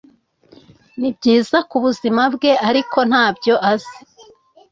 Nibyiza k'ubuzima bwe ariko ntabyo azi